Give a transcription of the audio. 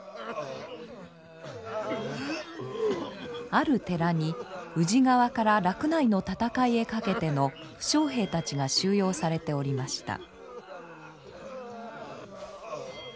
ある寺に宇治川から洛内の戦いへかけての負傷兵たちが収容されておりました。